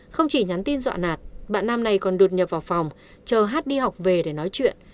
không chỉ nhắn tin dọa nạt bạn nam này còn đột nhập vào phòng chờ hát đi học về để nói chuyện